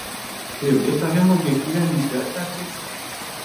Trebuie să avem obiective ambițioase în acest sens.